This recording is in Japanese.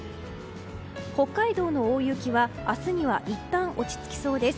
北海道の大雪は明日にはいったん落ち着きそうです。